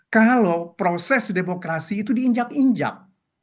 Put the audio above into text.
kalau proses demokrasi itu diinjak injak